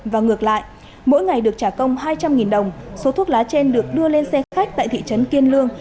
và ngược lại mỗi ngày được trả công hai trăm linh đồng số thuốc lá trên được đưa lên xe khách tại thị trấn kiên lương